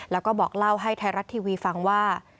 แล้วก็บอกเล่าให้ไทยรัฐทีวีฟังว่า